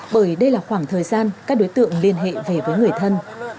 bởi đây là khoảng thời gian các đối tượng liên hệ về với người thân